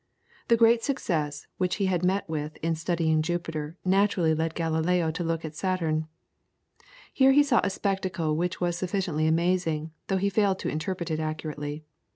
The great success which he had met with in studying Jupiter naturally led Galileo to look at Saturn. Here he saw a spectacle which was sufficiently amazing, though he failed to interpret it accurately.